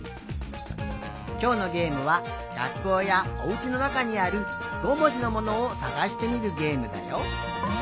きょうのゲームはがっこうやおうちのなかにある５もじのものをさがしてみるゲームだよ。